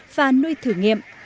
và nuôi thử nghiệm